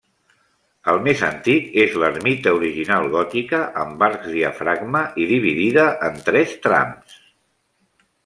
El més antic és l'ermita original gòtica, amb arcs diafragma i dividida en tres trams.